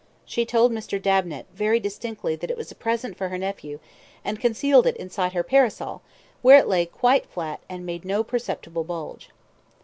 She told Mr. Dabnet very distinctly that it was a present for her nephew, and concealed it inside her parasol, where it lay quite flat and made no perceptible bulge.